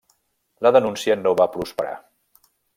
La denúncia no va prosperar.